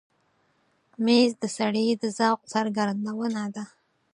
مېز د سړي د ذوق څرګندونه ده.